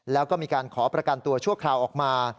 แล้วก็มีการขอประกันตัวชั่วคราวออกมา